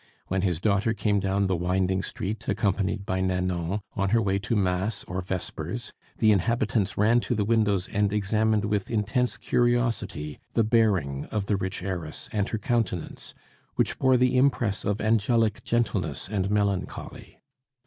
When his daughter came down the winding street, accompanied by Nanon, on her way to Mass or Vespers, the inhabitants ran to the windows and examined with intense curiosity the bearing of the rich heiress and her countenance, which bore the impress of angelic gentleness and melancholy.